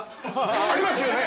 ありますよね！？